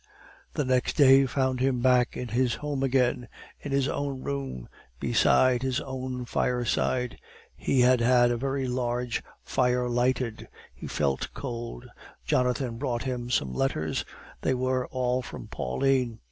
The next day found him back in his home again, in his own room, beside his own fireside. He had had a large fire lighted; he felt cold. Jonathan brought him some letters; they were all from Pauline.